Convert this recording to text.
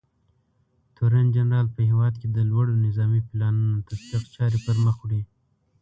تورنجنرال په هېواد کې د لوړو نظامي پلانونو د تطبیق چارې پرمخ وړي.